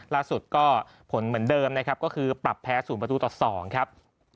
ล่าสุดก็ผลเหมือนเดิมก็คือปรับแพ้ศูนย์ประตูต่อ๒ครับ